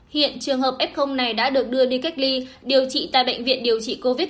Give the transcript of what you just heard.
hiện trường hợp f này đã được đưa đi cách ly điều trị tại bệnh viện điều trị covid một mươi chín